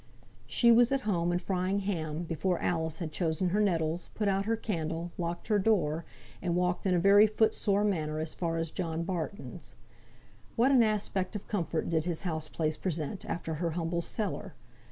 She was at home, and frying ham, before Alice had chosen her nettles, put out her candle, locked her door, and walked in a very foot sore manner as far as John Barton's. What an aspect of comfort did his houseplace present, after her humble cellar.